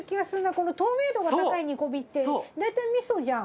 この透明度が高い煮込みって大体みそじゃん。